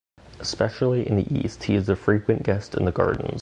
Especially in the east, he is a frequent guest in the gardens.